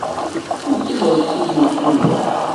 Ittubarek Sidi mkul ass.